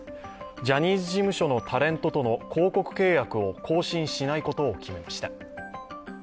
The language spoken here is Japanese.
ジャニーズ事務所のタレントとの広告契約を更新しないことを決めました。